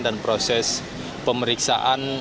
dan proses pemeriksaan